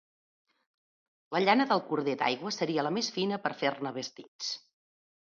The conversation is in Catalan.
La llana del corder d'aigua seria la més fina per a fer-ne vestits.